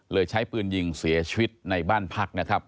ใช้ปืนยิงเสียชีวิตในบ้านพักนะครับ